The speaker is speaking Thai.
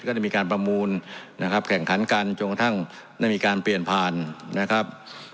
ได้มีการประมูลนะครับแข่งขันกันจนกระทั่งได้มีการเปลี่ยนผ่านนะครับ